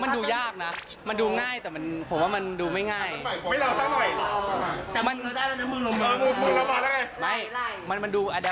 มันดูยากนะมันดูง่ายแต่ผมว่ามันดูไม่ง่าย